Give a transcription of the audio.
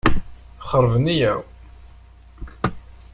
Texreb nniyya-w.